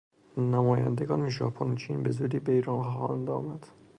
نمایندگان ژاپن و چین به زودی به ایران خواهند آمد.